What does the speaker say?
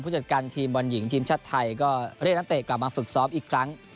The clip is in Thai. จัดการทีมบอลหญิงทีมชาติไทยก็เรียกนักเตะกลับมาฝึกซ้อมอีกครั้ง